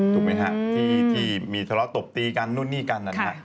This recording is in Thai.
ถูกมั้ยฮะที่มีสละตบตีกันนู่นนี่กันนั่นฮะ